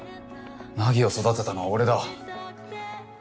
凪を育てたのは俺だ。